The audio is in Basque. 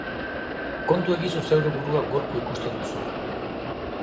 Kontu egizu zeure burua gorpu ikusten duzula.